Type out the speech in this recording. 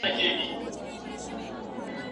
ځینې خلک په ادارو کې پر ناروغانو ټوکې جوړوي.